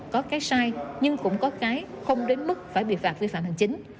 có cái sai nhưng cũng có cái không đến mức phải bị phạt vi phạm hành chính